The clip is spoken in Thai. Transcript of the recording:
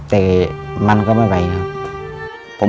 แต่มันก็ไม่ไหวครับ